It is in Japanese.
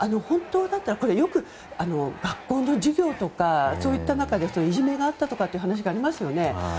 本当だったら学校の授業とかそういった中でいじめがあったという話がありますよね。